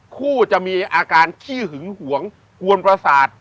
คู่จะมีอาการขี้หึงหวงกวนประสาท